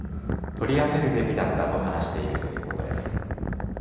取りやめるべきだったと話しているということです。